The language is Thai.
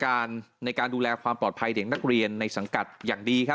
ซึ่งปกติจะมีการเช็คชื่อตลอดว่ามีนักเรียนคนไหนหายไปบ้าง